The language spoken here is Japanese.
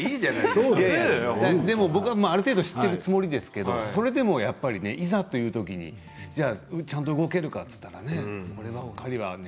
僕はある程度知っているつもりですけれどそれでもいざとなるとちゃんと動けるかとなったらこればかりはね。